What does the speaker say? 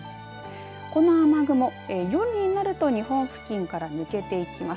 この雨雲夜になると日本付近から抜けていきます。